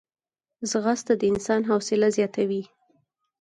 ځغاسته د انسان حوصله زیاتوي